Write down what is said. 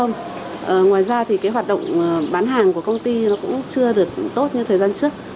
ngoài ra thì cái hoạt động bán hàng của công ty nó cũng chưa được tốt như thời gian trước